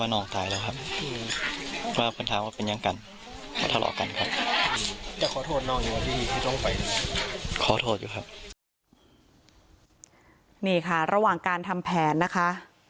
นี่ค่ะระหว่างการทำแผนนะคะ